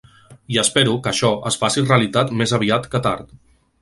I espero que això es faci realitat més aviat que tard.